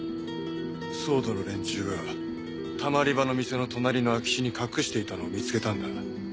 ＳＷＯＲＤの連中が溜まり場の店の隣の空き地に隠していたのを見つけたんだ。